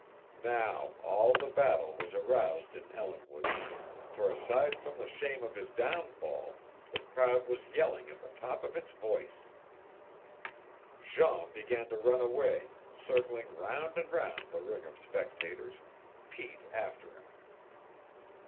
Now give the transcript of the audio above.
Now all the battle was aroused in Ellinwood, for aside from the shame of his downfall, the crowd was yelling at the top of its voice. Jean began to run away, circling round and round the ring of spectators, Pete after him.